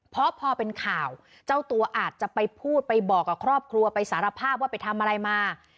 เพราะพอเป็นข่าวเจ้าตัวอาจจะไปพูดไปบอกกับครอบครัวไปสารภาพว่าไปทำอะไรมา